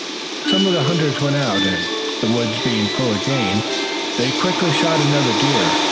Some of the hunters went out, and, the woods being full of game, they quickly shot another deer.